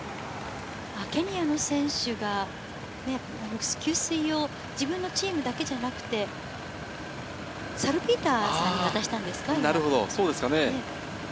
ケニアの選手が給水を自分のチームだけじゃなくて、サルピーターさんに渡しましたね。